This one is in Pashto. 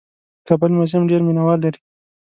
د کابل موزیم ډېر مینه وال لري.